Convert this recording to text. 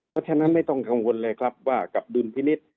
เพราะฉะนั้นไม่ต้องกังวลเลยครับว่ากับดุลพินิษฐ์